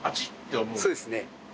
そうですね。